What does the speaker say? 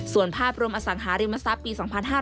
ส่วนภาพรวมอสังหาริมทรัพย์ปี๒๕๕๙